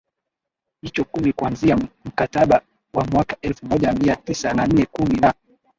hicho Kumi Kuanzia mkataba wa mwaka elfu moja mia tisa na nne kumi na